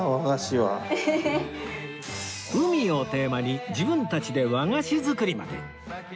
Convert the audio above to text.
海をテーマに自分たちで和菓子作りまで